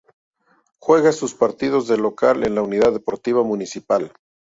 Juega sus partidos de local en la Unidad Deportiva Municipal.